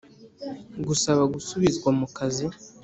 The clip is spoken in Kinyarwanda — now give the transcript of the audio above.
Gusaba gusubizwa mu kazi